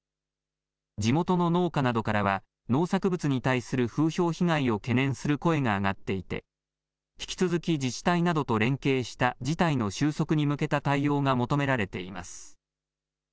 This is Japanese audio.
地元の農家などからは農作物に対する風評被害を懸念する声が上がっていて引き続き自治体などと連携した事態の収束に向けた対応が求められています。